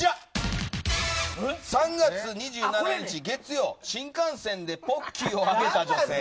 ３月２７日月曜新幹線でポッキーをあげた女性。